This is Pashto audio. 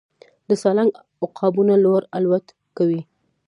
د سالنګ عقابونه لوړ الوت کوي